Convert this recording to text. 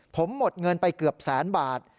ผมหมดเงินไปเกือบแสนบาท